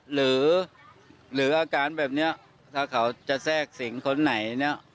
หรืออาการแบบนี้ถ้าเขาจะแทรกสิงคนไหนเนี่ย